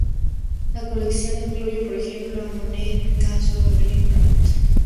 La colección incluye, por ejemplo, a Monet, Picasso y Rembrandt.